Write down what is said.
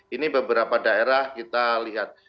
ini beberapa daerah kita lihat